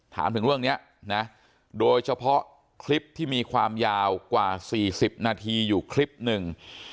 ถามถึงเรื่องนี้นะโดยเฉพาะคลิปที่มีความยาวกว่า๔๐นาทีอยู่คลิปหนึ่ง